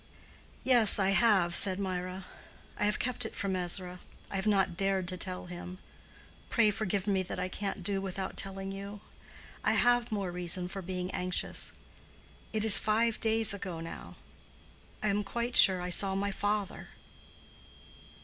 "Yes, I have," said Mirah. "I have kept it from Ezra. I have not dared to tell him. Pray forgive me that I can't do without telling you. I have more reason for being anxious. It is five days ago now. I am quite sure I saw my father."